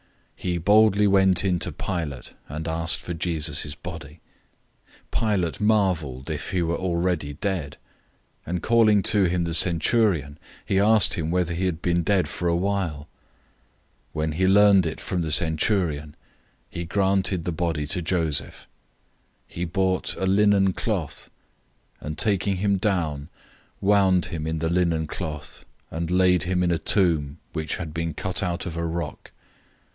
He boldly went in to Pilate, and asked for Jesus' body. 015:044 Pilate marveled if he were already dead; and summoning the centurion, he asked him whether he had been dead long. 015:045 When he found out from the centurion, he granted the body to Joseph. 015:046 He bought a linen cloth, and taking him down, wound him in the linen cloth, and laid him in a tomb which had been cut out of a rock.